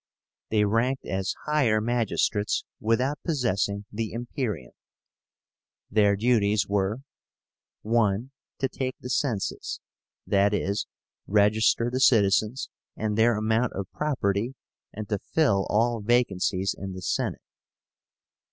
They ranked as higher magistrates without possessing the imperium. Their duties were: (1) To take the census, i.e. register the citizens and their amount of property, and to fill all vacancies in the Senate.